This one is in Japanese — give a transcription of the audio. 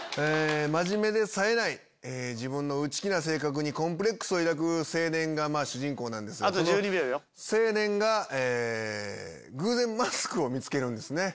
真面目でさえない自分の内気な性格にコンプレックスを抱く青年が主人公なんですがこの青年が偶然マスクを見つけるんですね。